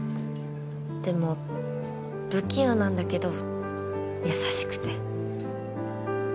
でも不器用なんだけど優しくて。